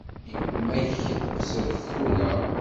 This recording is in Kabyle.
Yemma-k wessret tura.